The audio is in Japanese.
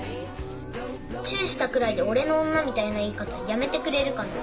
チューしたくらいで俺の女みたいな言い方やめてくれるかな。